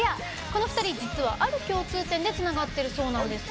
この２人、実は、ある共通点でつながってるそうなんです。